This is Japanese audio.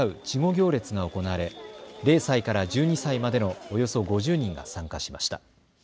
稚児行列が行われ０歳から１２歳までのおよそ５０人が参加しました。